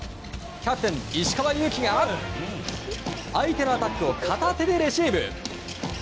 キャプテン、石川祐希が相手のアタックを片手でレシーブ！